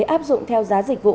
áp dụng theo giá dịch vụ